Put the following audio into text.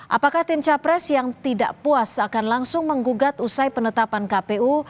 apakah tim capres yang tidak puas akan langsung menggugat usai penetapan kpu